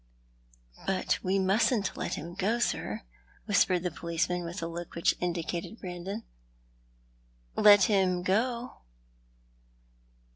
"But we mustn't let him go, sir," whispered the policeman, with a look which indicated Brandon. " Let him go